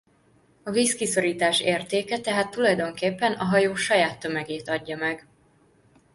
A vízkiszorítás értéke tehát tulajdonképpen a hajó saját tömegét adja meg.